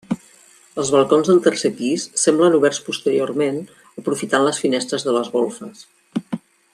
Els balcons del tercer pis semblen oberts posteriorment aprofitant les finestres de les golfes.